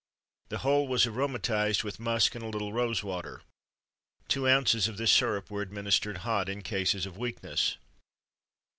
The whole was aromatised with musk and a little rose water. Two ounces of this syrup were administered hot,[XXIII 107] in cases of weakness.